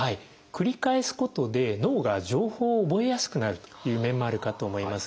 繰り返すことで脳が情報を覚えやすくなるという面もあるかと思います。